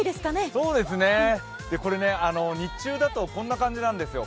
そうですね、日中だとこんな感じなんですよ。